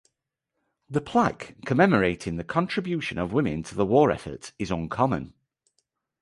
The plaque commemorating the contribution of women to the war effort is "uncommon".